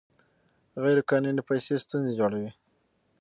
غیر قانوني پیسې ستونزې جوړوي.